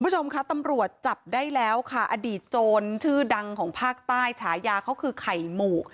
คุณผู้ชมคะตำรวจจับได้แล้วค่ะอดีตโจรชื่อดังของภาคใต้ฉายาเขาคือไข่หมูก